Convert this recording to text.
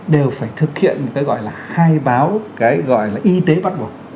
đều phải thực hiện một cái gọi là khai báo cái gọi là y tế bắt buộc